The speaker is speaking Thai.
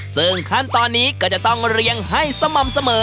ซึ่งขั้นตอนนี้ก็จะต้องเรียงให้สม่ำเสมอ